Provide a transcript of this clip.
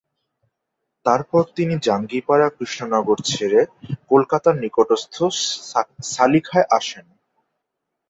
তারপর তিনি জাঙ্গিপাড়া-কৃষ্ণনগর ছেড়ে কলকাতার নিকটস্থ সালিখায় আসেন।